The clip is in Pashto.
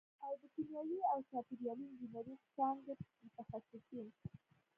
او د کیمیاوي او چاپېریالي انجینرۍ څانګې متخصصین